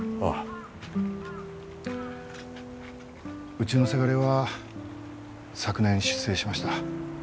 うちのせがれは昨年出征しました。